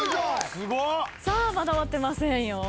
さあまだ終わってませんよ。